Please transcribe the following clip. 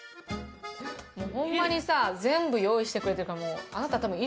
ホンマにさ全部用意してくれてるから。